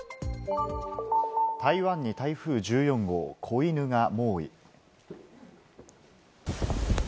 台湾に台風１４号、コイヌが猛威。